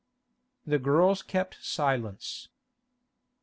The girls kept silence.